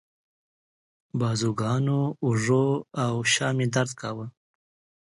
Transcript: بازوګانو، اوږو او شا مې درد کاوه.